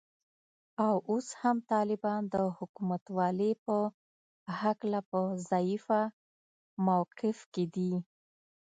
او اوس هم طالبان د حکومتولې په هکله په ضعیفه موقف کې دي